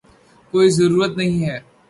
کوئی ضرورت نہیں ہے